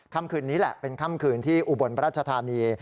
ค่ำคืนนี้แหละเป็นค่ำคืนที่อุบลราชธานี